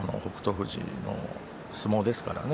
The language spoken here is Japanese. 富士の相撲ですからね。